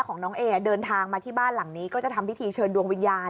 ของน้องเอเดินทางมาที่บ้านหลังนี้ก็จะทำพิธีเชิญดวงวิญญาณ